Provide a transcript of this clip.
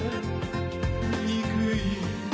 憎い